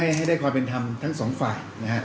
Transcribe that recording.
และให้ได้ความเป็นทำทั้งสองฝ่าย